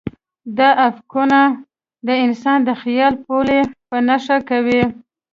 دا افقونه د انسان د خیال پولې په نښه کوي.